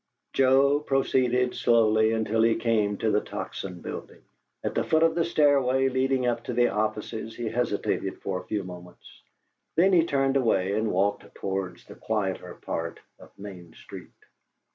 Joe proceeded slowly until he came to the Tocsin building. At the foot of the stairway leading up to the offices he hesitated for a few moments; then he turned away and walked towards the quieter part of Main Street.